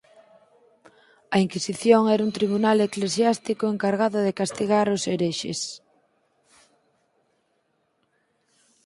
A Inquisición era un tribunal eclesiástico encargado de castigar os herexes.